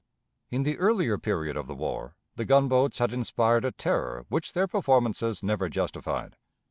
In the earlier period of the war, the gunboats had inspired a terror which their performances never justified.